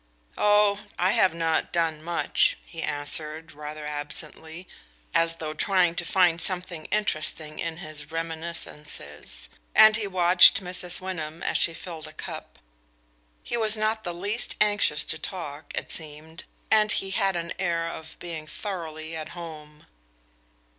"I have not done much," he answered, rather absently, as though trying to find something interesting in his reminiscences; and he watched Mrs. Wyndham as she filled a cup. He was not the least anxious to talk, it seemed, and he had an air of being thoroughly at home.